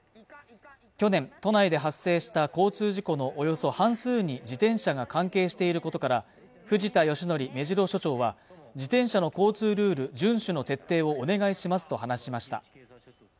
去年都内で発生した交通事故のおよそ半数に自転車が関係していることから藤田義徳目白署長は自転車の交通ルール順守の徹底をお願いしますと話しました